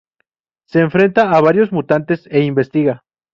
Se enfrenta a varios mutantes e investiga.